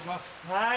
はい。